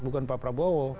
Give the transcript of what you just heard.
bukan pak prabowo